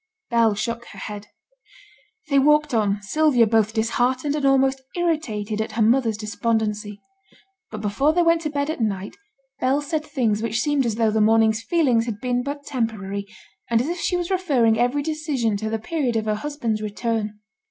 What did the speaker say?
Bell shook her head. They walked on, Sylvia both disheartened and almost irritated at her mother's despondency. But before they went to bed at night Bell said things which seemed as though the morning's feelings had been but temporary, and as if she was referring every decision to the period of her husband's return.